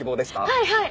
はいはい。